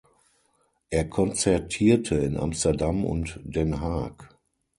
Er konzertierte in Amsterdam und Den Haag.